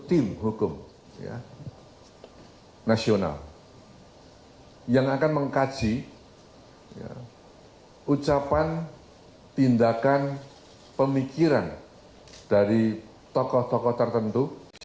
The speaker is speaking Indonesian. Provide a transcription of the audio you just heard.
tim hukum nasional yang akan mengkaji ucapan tindakan pemikiran dari tokoh tokoh tertentu